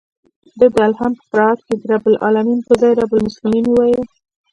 ده د الحمد په قرائت کښې د رب العلمين پر ځاى رب المسلمين وويل.